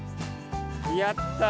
やった！